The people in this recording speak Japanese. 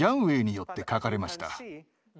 ウェイによって描かれました。